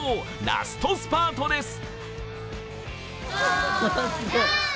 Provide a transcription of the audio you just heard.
ラストスパートです。